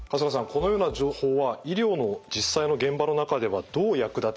このような情報は医療の実際の現場の中ではどう役立てられるのでしょうか？